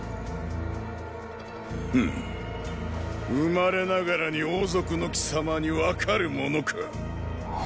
フッ生まれながらに王族の貴様に分かるものか。